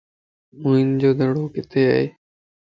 موئن جو دڙو ڪٿي ائي؟